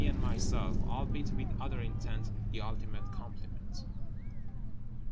and myself—albeit with other intent—the ultimate compliment.